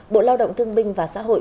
bộ lao động thương binh và xã hội